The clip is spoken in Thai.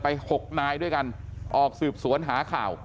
๖นายด้วยกันออกสืบสวนหาข่าว